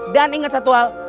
dan ingat satu hal